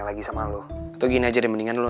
lagi sama lu atau gini aja deh mendingan lu